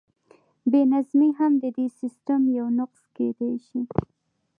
بې نظمي هم د دې سیسټم یو نقص کیدی شي.